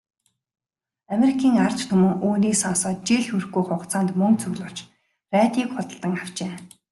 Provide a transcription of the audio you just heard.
Америкийн ард түмэн үүнийг сонсоод жил хүрэхгүй хугацаанд мөнгө цуглуулж, радийг худалдан авчээ.